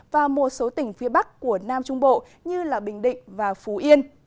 và một số tỉnh phía bắc của nam trung bộ như bình định và phú yên